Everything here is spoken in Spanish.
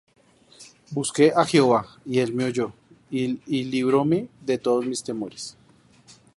Busqué á Jehová, y él me oyó, Y libróme de todos mis temores.